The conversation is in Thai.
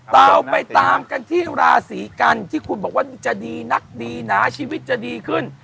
เราไปตามกันที่ราศีกันที่คุณบอกว่าจะดีนักดีหนาชีวิตจะดีขึ้น